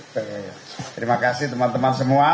terima kasih teman teman semua